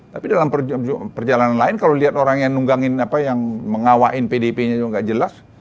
tapi dalam perjalanan lain kalau lihat orang yang mengawain pdip nya juga enggak jelas